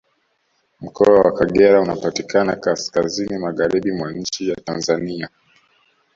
Mkoa wa Kagera unapatikana Kaskazini Magharibi mwa nchi ya Tanzania